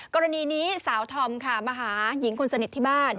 กรณีนี้สาวธอมค่ะมาหาหญิงคนสนิทที่บ้าน